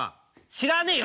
知らねえよ